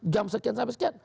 jam sekian sampai sekian